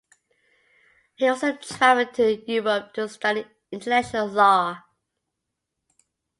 He also travelled to Europe to study international law.